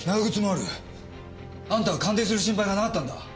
あんたは感電する心配がなかったんだ。